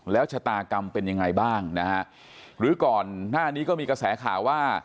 แล้วชะตากรรมเป็นยังไงบ้างนะฮะหรือก่อนหน้านี้ก็มีกระแสข่าวว่า